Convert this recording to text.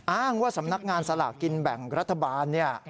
อ้างว่าสำนักงานสลากกินแบ่งรัฐบาลเนี่ย